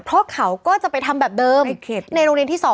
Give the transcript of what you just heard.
เพราะเขาก็จะไปทำแบบเดิมในโรงเรียนที่๒